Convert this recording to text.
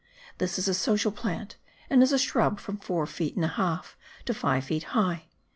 This is a social plant and is a shrub from four feet and a half to five feet high.